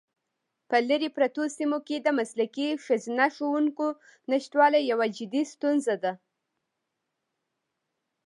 په لیرې پرتو سیمو کې د مسلکي ښځینه ښوونکو نشتوالی یوه جدي ستونزه ده.